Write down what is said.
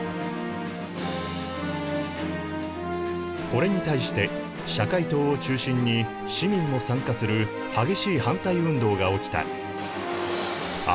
これに対して社会党を中心に市民も参加する激しい反対運動が起きた。